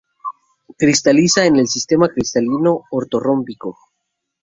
Cristaliza en el sistema cristalino ortorrómbico.